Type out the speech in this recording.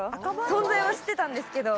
存在は知ってたんですけど。